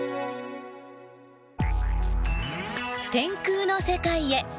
天空の世界へ！